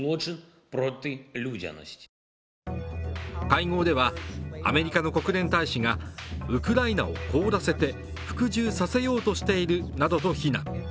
会合ではアメリカの国連大使がウクライナを凍らせて服従させようとしているなどと非難。